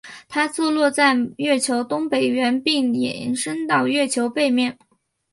它坐落在月球东北缘并延伸到月球背面。